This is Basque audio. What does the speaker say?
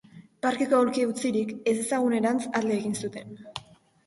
Parkeko aulkia utzirik, ezezagunerantz alde egin zuten.